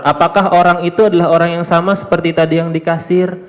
apakah orang itu adalah orang yang sama seperti tadi yang dikasir